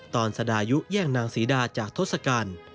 สดายุแย่งนางศรีดาจากทศกัณฐ์